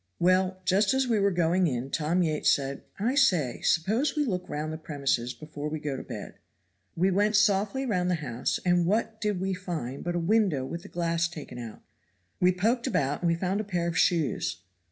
Well, just as we were going in Tom Yates said, 'I say, suppose we look round the premises before we go to bed.' We went softly round the house and what did we find but a window with the glass taken out; we poked about and we found a pair of shoes.